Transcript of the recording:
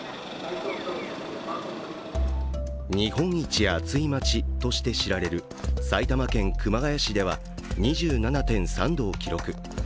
日本一暑い街として知られる埼玉県熊谷市では２７．３度を記録。